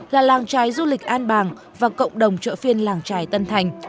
là làng trái du lịch an bàng và cộng đồng trợ phiên làng trái tân thành